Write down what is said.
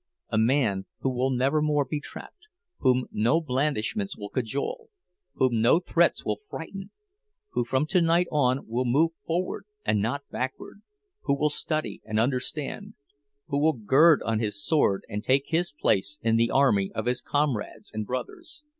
A man who will never more be trapped—whom no blandishments will cajole, whom no threats will frighten; who from tonight on will move forward, and not backward, who will study and understand, who will gird on his sword and take his place in the army of his comrades and brothers.